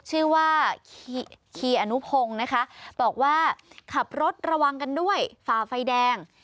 ชื่อว่าคีย์อนุพงศ์นะคะบอกว่าขับรถระวังกันด้วยฝ่าไฟแดง